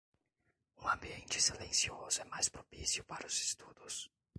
Um ambiente silencioso é mais propício para os estudos.